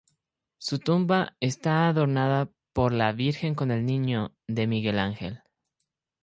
Su tumba está adornada por la "Virgen con el Niño", de Miguel Ángel.